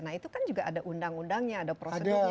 nah itu kan juga ada undang undangnya ada prosedurnya